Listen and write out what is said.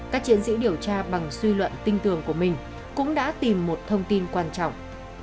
các chiến sĩ điều tra bằng suy luận tinh tường của mình cũng đã tìm một thông tin quan trọng